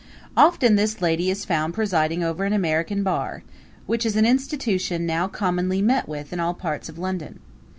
Often this lady is found presiding over an American bar, which is an institution now commonly met with in all parts of London.